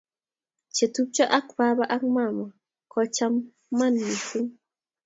chetupcho ak baba ak mama kochaman mising